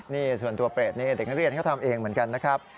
นี่ส่วนตัวเปรตนี่เด็กนักเรียนเขาทำเองเหมือนกันนะครับ